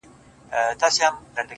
• لاس یې پورته د غریب طوطي پر سر کړ,